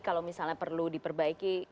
kalau misalnya perlu diperbaiki